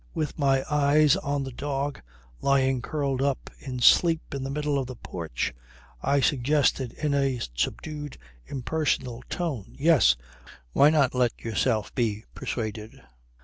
With my eyes on the dog lying curled up in sleep in the middle of the porch I suggested in a subdued impersonal tone: "Yes. Why not let yourself be persuaded?"